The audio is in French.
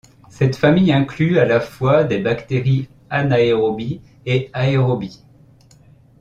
Cette famille inclut à la fois des bactéries anaérobies et aérobies.